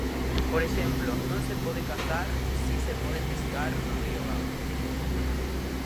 Por exemplo, non se pode cazar, si se pode pescar, no Río Gafos.